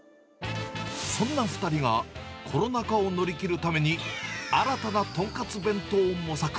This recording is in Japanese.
そんな２人が、コロナ禍を乗り切るために、新たな豚カツ弁当を模索。